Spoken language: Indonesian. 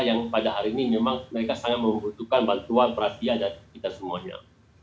yang pada hari ini memang mereka sangat membutuhkan bantuan perhatian dari kita semuanya